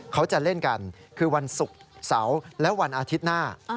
เขาจะเล่นกันคือวันศุกร์เสาร์และวันอาทิตย์หน้า